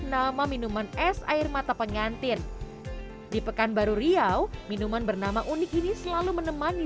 nama minuman es air mata pengantin di pekanbaru riau minuman bernama unik ini selalu menemani